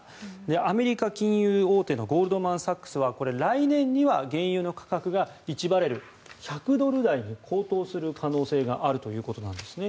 アメリカ金融大手のゴールドマン・サックスは来年には原油の価格が１バレル＝１００ドル台に高騰する可能性があるということです。